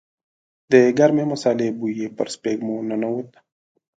د ګرمې مسالې بوی يې پر سپږمو ننوت.